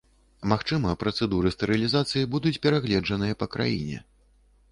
Магчыма, працэдуры стэрылізацыі будуць перагледжаныя па краіне.